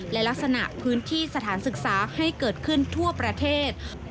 และลักษณะพื้นที่สถานศึกษาให้เกิดขึ้นทั่วประเทศ